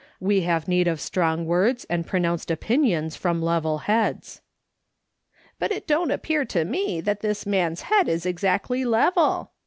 We have need of strong words and pronounced opinions from level heads." " But it don't appear to me that this man'.s head is exactly level.